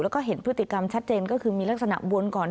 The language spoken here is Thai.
แล้วก็เห็นพฤติกรรมชัดเจนก็คือมีลักษณะวนก่อน